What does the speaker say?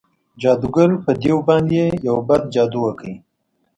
جادوګر په دیو باندې یو بد جادو وکړ.